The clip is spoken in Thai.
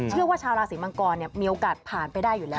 ชาวราศีมังกรมีโอกาสผ่านไปได้อยู่แล้ว